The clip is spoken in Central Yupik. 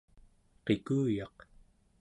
qikuyaq